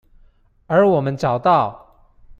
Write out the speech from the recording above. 而我們找到